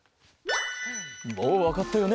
もうわかったよね？